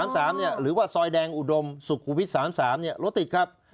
หรือว่าซอยแดงอุดมสุขุมวิท๓๓รถติดครับ